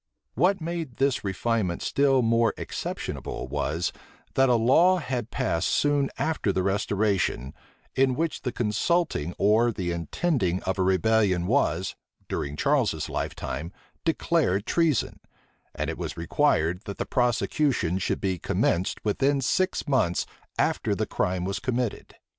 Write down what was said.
What made this refinement still more exceptionable, was, that a law had passed soon after the restoration, in which the consulting or the intending of a rebellion was, during Charles's lifetime, declared treason; and it was required, that the prosecution should be commenced within six months after the crime was committed.